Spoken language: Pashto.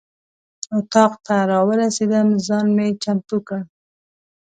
اتاق ته راورسېدم ځان مې چمتو کړ.